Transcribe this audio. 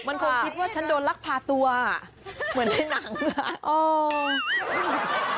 มันคงคิดว่าฉันโดนลักพาตัวเหมือนในหนังอ่ะ